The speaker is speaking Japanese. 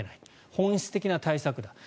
本質的な対策だと。